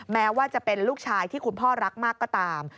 แม้ว่าจะเป็นลูกชายที่คุณพ่อรักมากก็ตาม